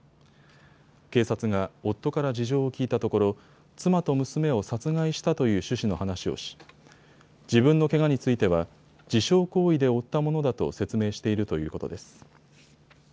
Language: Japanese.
警察が夫から事情を聞いたところ妻と娘を殺害したという趣旨の話をし、自分のけがについては自傷行為で負ったものだと説明しているということです。